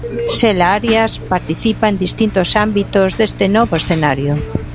Xela Arias participa en distintos ámbitos deste novo escenario.